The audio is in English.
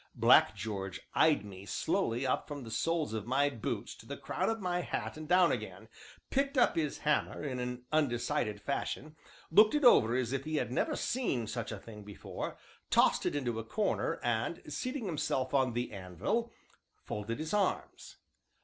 Black George eyed me slowly up from the soles of my boots to the crown of my hat and down again, picked up his hammer in an undecided fashion, looked it over as if he had never seen such a thing before, tossed it into a corner, and, seating himself on the anvil, folded his arms.